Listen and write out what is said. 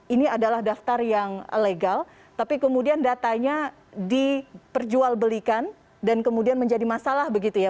ini adalah daftar yang legal tapi kemudian datanya diperjualbelikan dan kemudian menjadi masalah begitu ya